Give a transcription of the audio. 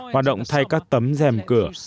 hoạt động thay các tấm dèm cửa